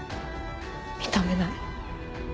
認めない。